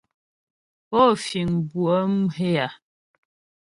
Pó fíŋ bʉə̌ mhě a?